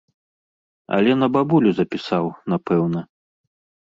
Але на бабулю запісаў, напэўна.